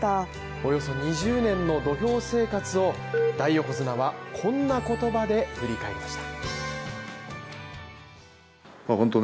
およそ２０年の土俵生活を大横綱はこんな言葉で振り返りました。